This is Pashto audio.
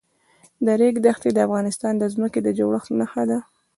د ریګ دښتې د افغانستان د ځمکې د جوړښت نښه ده.